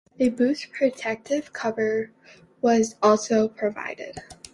A boost protective cover was also provided.